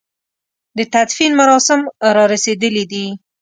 د تدفين مراسم را رسېدلي دي.